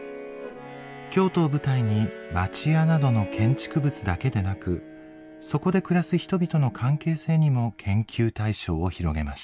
京都を舞台に町家などの建築物だけでなくそこで暮らす人々の関係性にも研究対象を広げました。